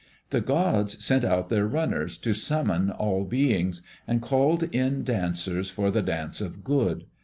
The gods sent out their runners, to summon all beings, and called in dancers for the Dance of Good.